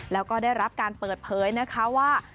แล้วก็ได้รับการเปิดเผยนะคะว่า